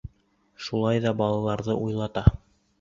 Шулай ҙа балаларҙы уйлата.